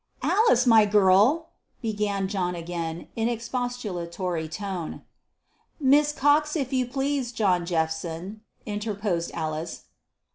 "Alice, my girl!" began John again, in expostulatory tone. "Miss Cox, if you please, John Jephson," interposed Alice.